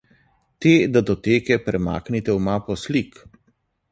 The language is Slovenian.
Te datoteke premaknite v mapo slik.